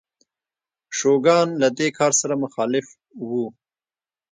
شوګان له دې کار سره مخالف و.